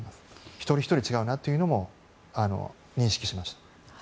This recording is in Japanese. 一人ひとり違うなというのも認識しました。